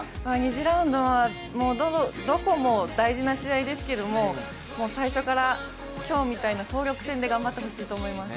２次ラウンドはどこも大事な試合ですけれども、最初から今日みたいな総力戦で頑張ってもらいたいと思います。